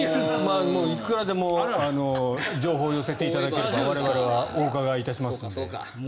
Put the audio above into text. いくらでも情報を寄せていただければ我々はお伺いいたしますので。